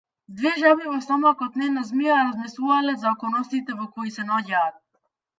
Две жаби во стомакот на една змија размислувале за околностите во кои се наоѓаат.